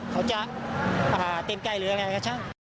ก็แค่เรา